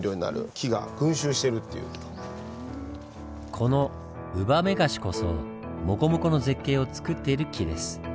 このウバメガシこそモコモコの絶景をつくっている木です。